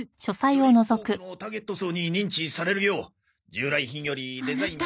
より多くのターゲット層に認知されるよう従来品よりデザインを変えて。